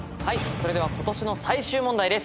それでは今年の最終問題です。